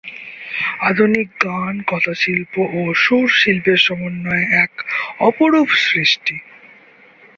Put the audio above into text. আধুনিক গান কথাশিল্প ও সুরশিল্পের সমন্বয়ে এক অপরূপ সৃষ্টি।